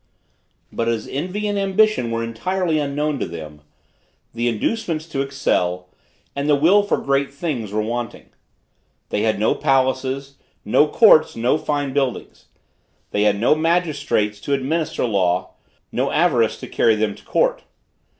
But as envy and ambition were entirely unknown to them, the inducements to excel, and the will for great things were wanting. They had no palaces, no courts, no fine buildings. They had no magistrates to administer law; no avarice to carry them to court.